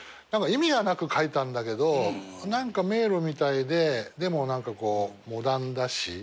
意味はなく描いたんだけど何か迷路みたいででも何かモダンだし。